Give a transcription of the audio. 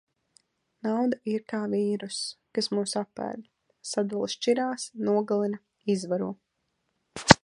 Nauda ir kā vīrsuss, kas mūs apēd. Sadala šķirās, nogalina, izvaro.